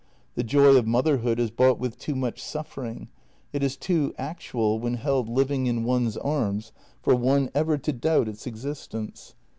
The joy of motherhood is bought with too much suffering; it is too actual, when held living in one's arms, for one ever to doubt its existence.